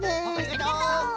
ありがとう！